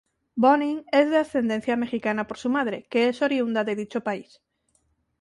Bonin es de ascendencia mexicana por su madre, que es oriunda de dicho país.